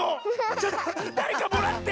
ちょっとだれかもらって！